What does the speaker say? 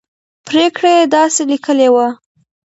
پرېکړه یې داسې لیکلې وه.